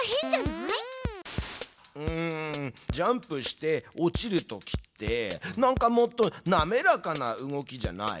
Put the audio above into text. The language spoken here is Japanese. ジャンプして落ちるときってなんかもっとなめらかな動きじゃない？